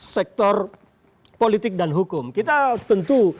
sektor politik dan hukum kita tentu